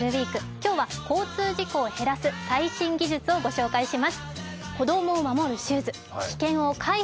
今日は交通事故を減らす最新技術を紹介します。